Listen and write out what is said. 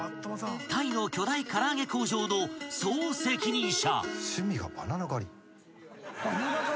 ［タイの巨大から揚げ工場の総責任者］